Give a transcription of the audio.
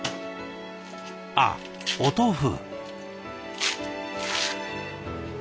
あっお豆腐。